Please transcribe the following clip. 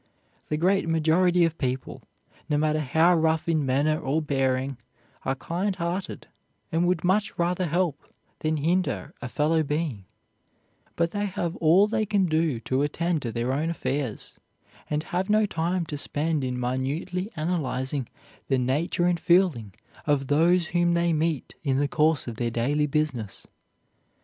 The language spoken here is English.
The great majority of people, no matter how rough in manner or bearing, are kind hearted, and would much rather help than hinder a fellowbeing, but they have all they can do to attend to their own affairs, and have no time to spend in minutely analyzing the nature and feeling of those whom they meet in the course of their daily business.